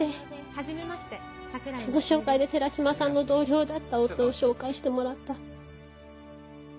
はじめましてその紹介で寺島さんの同僚だった夫を紹介してもらった。